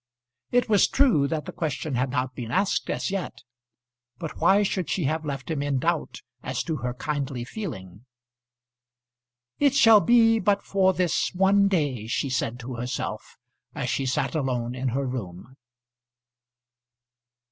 It was true that the question had not been asked as yet; but why should she have left him in doubt as to her kindly feeling? "It shall be but for this one day," she said to herself as she sat alone in her room.